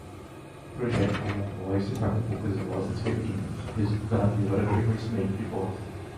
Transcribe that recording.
Projeto commonvoice está com poucas vozes femininas, resulta na piora do reconhecimento de voz